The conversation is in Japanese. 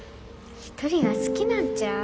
一人が好きなんちゃう？